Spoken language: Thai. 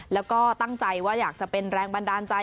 แล้วก็ตั้งใจว่าอยากจะเป็นแรงบันดาลใจ